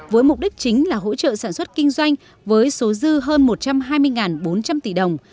với mục đích chính là hỗ trợ sản xuất kinh doanh với số dư hơn một trăm hai mươi bốn trăm linh tỷ đồng